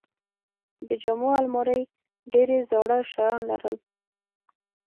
د جامو الماری ډېرې زاړه شیان لرل.